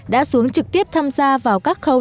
đã xuống trực tiếp tham gia vào các khâu